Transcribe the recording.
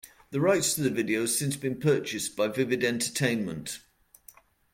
The rights to the video has since been purchased by Vivid Entertainment.